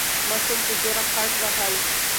ماشوم په زوره خټ وهل.